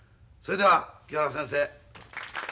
それでは清原先生。